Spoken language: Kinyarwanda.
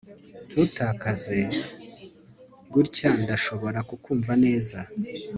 Ntutakaze gutya Ndashobora kukumva neza